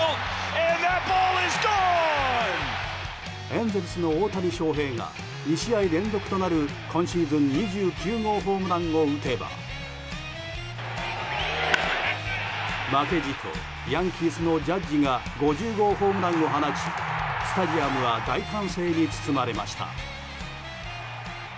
エンゼルスの大谷翔平が２試合連続となる今シーズン２９号ホームランを打てば負けじとヤンキースのジャッジが５０号ホームランを放ちスタジアムは大歓声に包まれました。